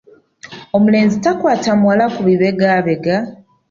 Omulenzi takwata muwala ku bibegabega